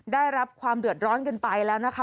ได้รับความเดือดร้อนกันไปแล้วนะคะ